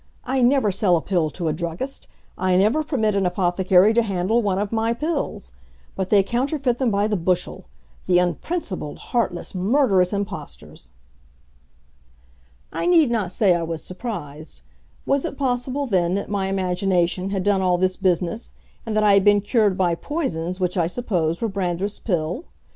I never sell a pill to a druggist I never permit an apothecary to handle one of my pills. But they counterfeit them by the bushel; the unprincipled, heartless, murderous impostors!" I need not say I was surprised. Was it possible, then, that my imagination had done all this business, and that I had been cured by poisons which I supposed were Brandreth's Pill?